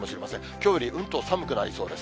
きょうよりうんと寒くなりそうです。